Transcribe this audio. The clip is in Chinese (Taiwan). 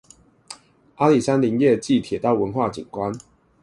阿里山林業暨鐵道文化景觀